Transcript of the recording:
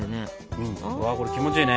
うわこれ気持ちいいね。